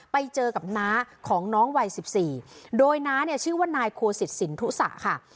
ไปเจอกับน้าของน้องวัยสิบสี่โดยน้าเนี่ยชื่อว่านายครัวสิทธิ์สินทุสะค่ะ